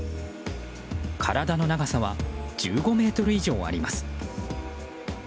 体の長さは１５ｍ以上あります。